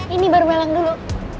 ini baru mel yang dulu